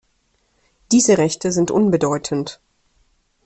Diese Rechte sind unbedeutend.